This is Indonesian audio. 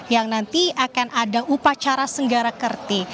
yang nanti akan ada upacara senggara kerti